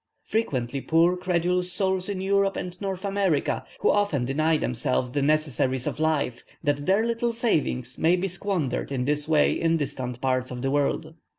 Frequently poor credulous souls in Europe and North America, who often deny themselves the necessaries of life, that their little savings may be squandered in this way in distant parts of the world.